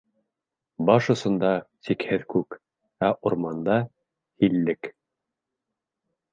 Баш осонда - сикһеҙ күк, ә урманда - һиллек.